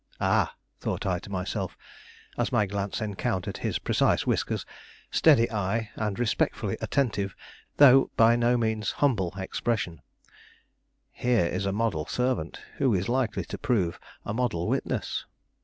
"Ah," thought I to myself, as my glance encountered his precise whiskers, steady eye, and respectfully attentive, though by no means humble, expression, "here is a model servant, who is likely to prove a model witness."